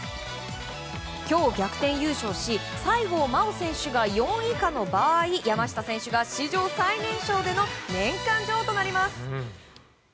今日、逆転優勝し西郷真央選手が４位以下の場合山下選手が史上最年少での年間女王となります。